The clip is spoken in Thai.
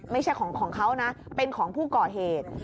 ไม่ใช่ของเขานะเป็นของผู้ก่อเหตุ